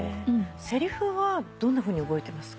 せりふはどんなふうに覚えてます？